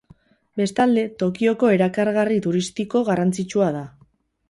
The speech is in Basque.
Bestalde, Tokioko erakargarri turistiko garrantzitsua da.